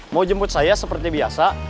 mau jemput saya seperti biasa